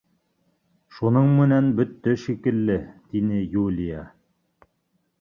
— Шуның менән бөттө шикелле, — тине Юлия.